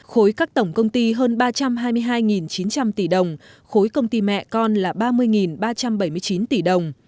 khối các tổng công ty hơn ba trăm hai mươi hai chín trăm linh tỷ đồng khối công ty mẹ con là ba mươi ba trăm bảy mươi chín tỷ đồng